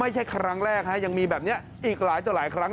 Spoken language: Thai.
ไม่ใช่ครั้งแรกฮะยังมีแบบนี้อีกหลายต่อหลายครั้ง